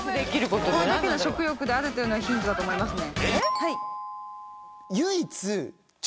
これだけの食欲であるというのはヒントだと思いますね。